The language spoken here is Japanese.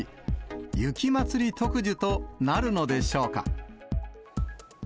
雪まつり特需となるのでしょうか。